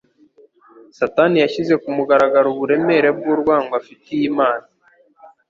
Satani yashyize ku mugaragaro uburemere bw'urwango afitiye Imana.